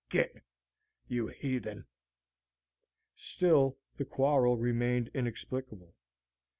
Git you heathen!" Still the quarrel remained inexplicable.